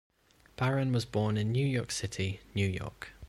Barron was born in New York City, New York.